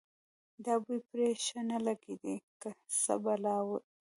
دا بوی پرې ښه نه لګېږي که څه بلا ده.